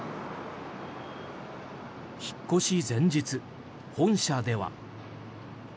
引っ越し前日、本社では。